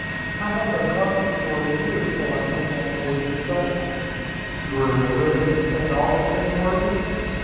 I had no comfort for a year till I came on board of this vessel." "You were living in St. Augustine, were you?"